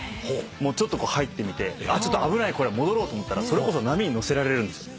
ちょっと入ってみて危ないこれ戻ろうと思ったらそれこそ波に乗せられるんですよ